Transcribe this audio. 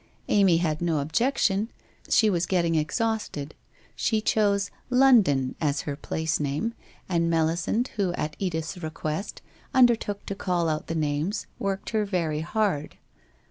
Amy had no objection, she was getting exhausted. She chose ' London ' as her place name, and Melisande, who at Edith's request, undertook to call out the names, worked her very hard.